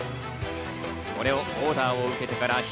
これをオーダーを受けてから一